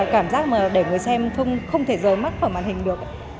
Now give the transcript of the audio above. cảm giác mà để người xem không thể rời mắt khỏi màn hình được